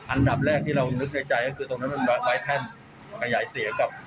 อันดับแรกที่เรานึกในใจก็คือตรงนั้นมันไฟแท่นมันใหญ่เสียครับ